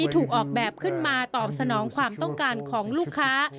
ถูกออกแบบขึ้นมาตอบสนองความต้องการของลูกค้า